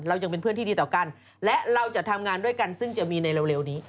เรายังเป็นเพื่อนที่ดีต่อกันและเราจะทำงานด้วยกันซึ่งจะมีในเร็วนี้